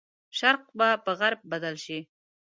شرق به په غرب بدل شي.